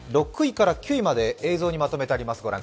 ６位から９位まで映像にまとめてあります。